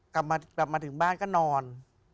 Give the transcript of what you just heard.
กลับมาถึงบ้านก็นอน